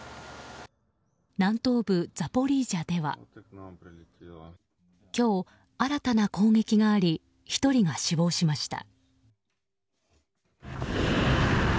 南東部ザポリージャでは今日、新たな攻撃があり１人が死亡しました。